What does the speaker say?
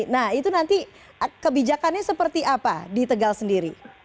nah itu nanti kebijakannya seperti apa di tegal sendiri